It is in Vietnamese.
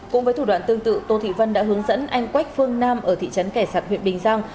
cũng với thủ đoạn tương tự tô thị vân đã hướng dẫn anh quách phương nam ở thị trấn kẻ sạc huyện bình giang